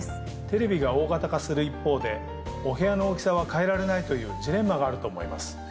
テレビが大型化する一方でお部屋の大きさは変えられないというジレンマがあると思います。